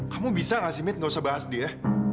kamu bisa nggak sih mit nggak usah bahas dia